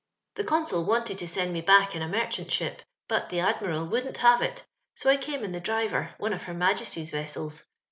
The consul wanted to send me back in a merchant ship, but the Admiral wouldn't have it, so I came in the Driver^ one of Her M:\je»ty'8 vessels.